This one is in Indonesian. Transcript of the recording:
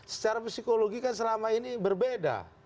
secara psikologi kan selama ini berbeda